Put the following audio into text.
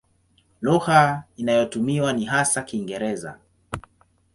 Lugha inayotumiwa ni hasa Kiingereza.